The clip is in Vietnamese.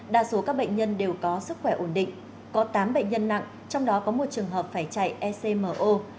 đa số các bệnh nhân đều có sức khỏe ổn định có tám bệnh nhân nặng trong đó có một trường hợp phải chạy ecmo